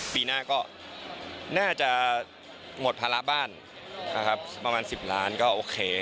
ปีหน้าก็น่าจะหมดภาระบ้านนะครับประมาณ๑๐ล้านก็โอเค